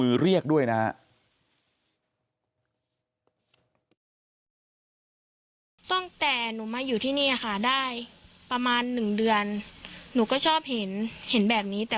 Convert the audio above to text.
คนเดิมค่ะแต่ว่าไม่ให้เห็นหน้า